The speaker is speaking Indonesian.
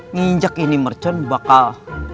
nginjak ini mercon bakal